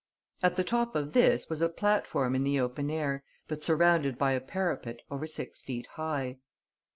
At the top of this was a platform in the open air, but surrounded by a parapet over six feet high.